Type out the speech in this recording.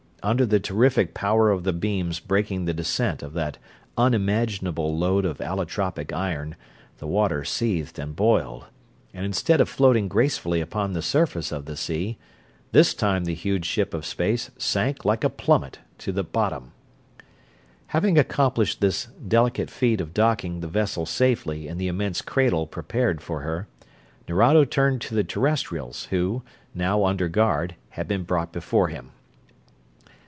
Under the terrific power of the beams braking the descent of that unimaginable load of allotropic iron the water seethed and boiled; and instead of floating gracefully upon the surface of the sea, this time the huge ship of space sank like a plummet to the bottom. Having accomplished this delicate feat of docking the vessel safely in the immense cradle prepared for her, Nerado turned to the Terrestrials, who, now under guard, had been brought before him.